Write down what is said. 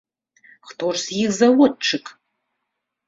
Хто ж з іх заводчык?!.